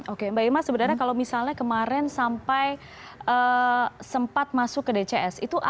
oke mbak ima sebenarnya kalau misalnya kemarin sampai sempat masuk ke dcs